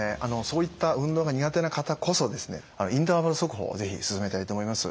そういった運動が苦手な方こそインターバル速歩を是非勧めたいと思います。